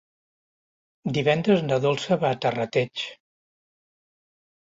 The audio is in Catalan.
Divendres na Dolça va a Terrateig.